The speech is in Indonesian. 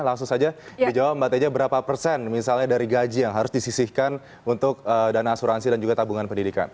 langsung saja dijawab mbak teja berapa persen misalnya dari gaji yang harus disisihkan untuk dana asuransi dan juga tabungan pendidikan